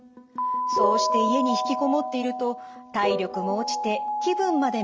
そうして家に引きこもっていると体力も落ちて気分まで滅入ってしまう。